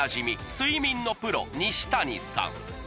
睡眠のプロ西谷さん